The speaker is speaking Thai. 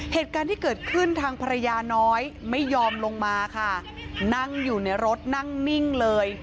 เหตุการณ์ที่เกิดขึ้นทางภรรยาน้อยไม่ยอมลงมาค่ะนั่งอยู่ในรถนั่งนิ่งเลย